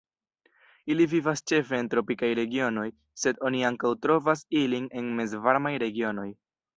Ili vivas ĉefe en tropikaj regionoj, sed oni ankaŭ trovas ilin en mezvarmaj regionoj.